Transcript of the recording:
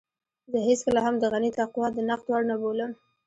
زه هېڅکله هم د غني تقوی د نقد وړ نه بولم.